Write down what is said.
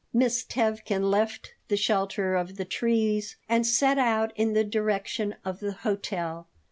Miss Tevkin left the shelter of the trees and set out in the direction of the hotel.